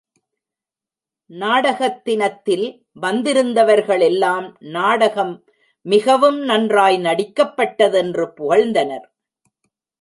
நாடகத் தினத்தில் வந்திருந்தவர்களெல்லாம் நாடகம் மிகவும் நன்றாய் நடிக்கப்பட்டதென்று புகழ்ந்தனர்.